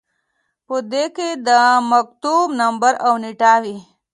په دې کې د مکتوب نمبر او نیټه وي.